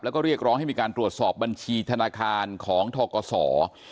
แล้วก็เรียกร้องให้มีการตรวจสอบบัญชีธนาคารของทกศ